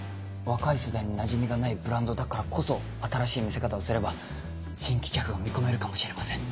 若い世代になじみがないブランドだからこそ新しい見せ方をすれば新規客が見込めるかもしれません。